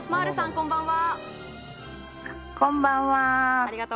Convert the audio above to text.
こんばんは。